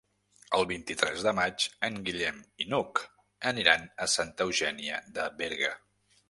El vint-i-tres de maig en Guillem i n'Hug aniran a Santa Eugènia de Berga.